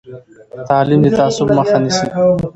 تعلیم د تعصب مخه نیسي.